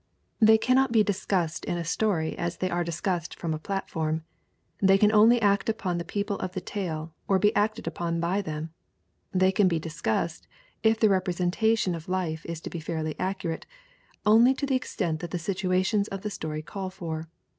They cannot be discussed in a story as they are discussed from a platform. They can only act upon the people of the tale or be acted upon by them; they can be discussed, if the representation of life is to be fairly accurate, only to the extent that the situations of the story call for.